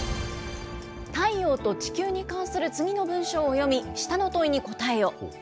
太陽と地球に関する次の文章を読み、下の問いに答えよ。